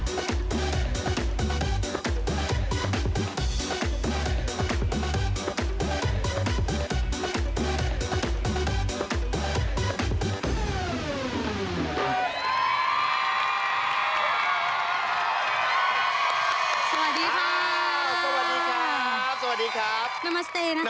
การทำงานที่นู่น